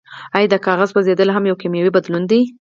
ایا د کاغذ سوځیدل هم یو کیمیاوي بدلون دی